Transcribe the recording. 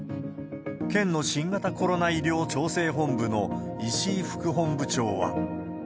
県の新型コロナ医療調整本部の石井副本部長は。